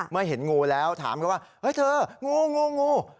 เมื่อเห็นงูแล้วถามเขาว่าเฮ้ยเธองูงู